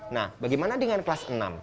nah bagaimana dengan kelas enam